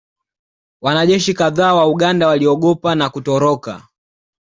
Wanajeshi kadhaa wa Uganda waliogopa na kutoroka